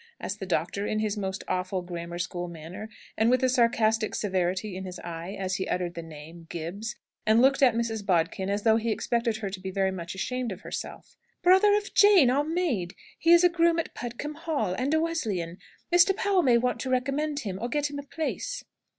asked the doctor, in his most awful grammar school manner, and with a sarcastic severity in his eye, as he uttered the name 'Gibbs,' and looked at Mrs. Bodkin as though he expected her to be very much ashamed of herself. "Brother of Jane, our maid. He is a groom at Pudcombe Hall, and a Wesleyan. Mr. Powell may want to recommend him, or get him a place."